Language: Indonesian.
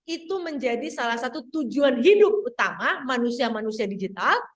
itu menjadi salah satu tujuan hidup utama manusia manusia digital